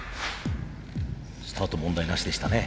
スタート問題なしでしたね。